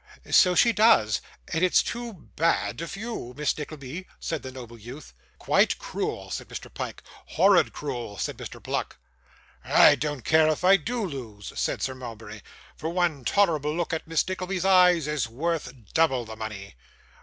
'So she does, and it's too ba a d of you, Miss Nickleby,' said the noble youth. 'Quite cruel,' said Mr. Pyke. 'Horrid cruel,' said Mr. Pluck. 'I don't care if I do lose,' said Sir Mulberry; 'for one tolerable look at Miss Nickleby's eyes is worth double the money.